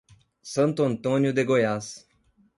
Santo Antônio de Goiás